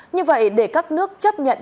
như vậy để các nước chấp nhận